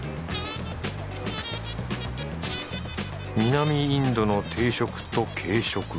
南インドの定食と軽食。